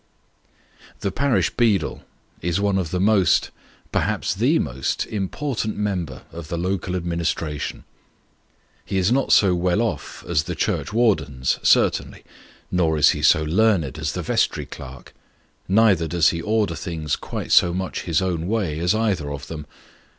Tho parish beadle is one of tho most, perhaps the most, important member of the local administration. He is not so well off as tho churchwardens, certainly, nor is he so learned as the vestry clerk, nor does he order things quite so much his own way as either of them.